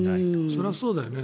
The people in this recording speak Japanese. それはそうだよね。